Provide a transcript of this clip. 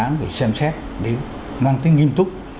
đưa ra tòa án rồi xem xét để mang tính nghiêm túc